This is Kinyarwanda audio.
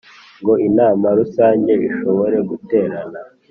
ngo Inama Rusange ishobore guterana